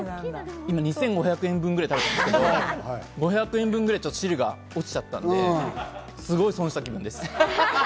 今２５００円分ぐらい食べたんですけど、５００円分ぐらい汁が落ちちゃったので、すごい損した気分です。